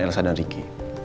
elsa dan riki